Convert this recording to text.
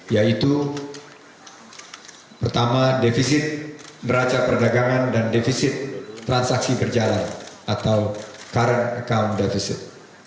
yaitu pertama defisit neraca perdagangan dan defisit transaksi berjalan atau current account defisit